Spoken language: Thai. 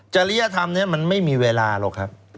จริยธรรมนี้มันไม่มีเวลาหรอกครับ